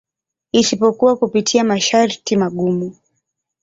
Isipokuwa kupitia masharti magumu.